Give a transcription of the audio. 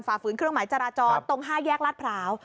ฝืนเครื่องหมายจราจรตรง๕แยกลาดพร้าว